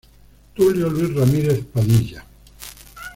Tulio Luis Ramírez Padilla.